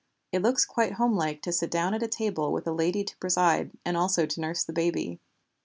It looks quite homelike to sit down at a table with a lady to preside, and also to nurse the baby.